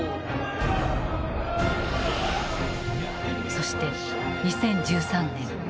そして２０１３年。